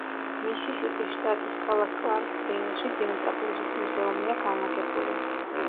მისისიპის შტატის ქალაქ კლარკსდეილში დელტა ბლუზის მუზეუმია განლაგებული.